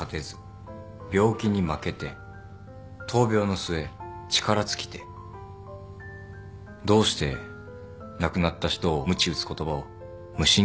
「病気に負けて」「闘病の末力尽きて」どうして亡くなった人をむち打つ言葉を無神経に使うんだろう。